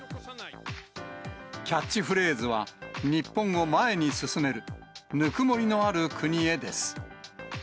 キャッチフレーズは、日本を前に進める、ぬくもりのある国へです。